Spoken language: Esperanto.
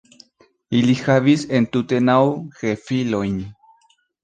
Ili havis entute naŭ gefilojn.